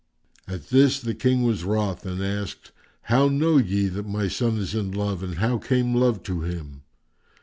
At this the King was wroth and asked, "How know ye that my son is in love and how came love to him?"